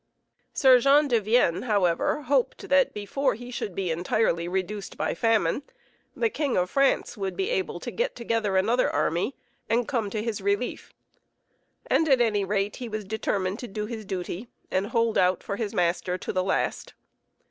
Sir Jean de Vienne, however, hoped that before he should be entirely reduced by famine, the King of France would be able to get together another army and come to his relief, and at any rate he was determined to do his duty, and hold out for his master to the last.